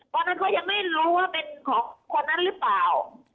ตอนนั้นเขายังไม่รู้ว่าเป็นของคนนั้นหรือเปล่า